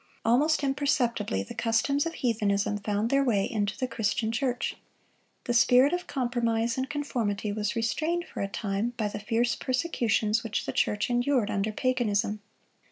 Almost imperceptibly the customs of heathenism found their way into the Christian church. The spirit of compromise and conformity was restrained for a time by the fierce persecutions which the church endured under paganism.